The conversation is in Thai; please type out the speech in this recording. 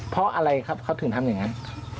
เพราะอะไรครับเขาถึงทำอย่างนั้น